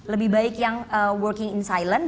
lebih baik yang working in silent